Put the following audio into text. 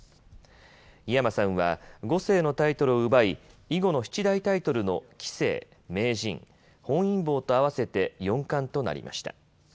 井山さんは碁聖のタイトルを奪い囲碁の七大タイトルの棋聖、名人、本因坊と合わせて四冠となりました。